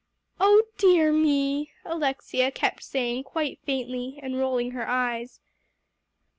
"Oh dear me!" Alexia kept saying quite faintly, and rolling her eyes.